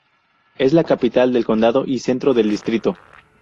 Es la capital del condado y el centro del distrito.